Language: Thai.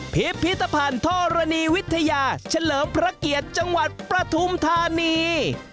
พิพิธภัณฑ์ธรณีวิทยาเฉลิมพระเกียรติจังหวัดปฐุมธานี